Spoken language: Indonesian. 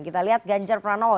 kita lihat ganjar pranowo